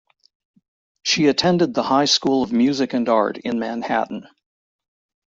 She attended The High School of Music and Art in Manhattan.